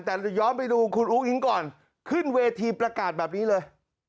แต่ย้อนไปดูคุณอุ้งอิ๊งก่อนขึ้นเวทีประกาศแบบนี้เลย